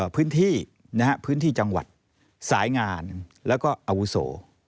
พื้นที่พื้นที่จังหวัดสายงานแล้วก็อาวุโส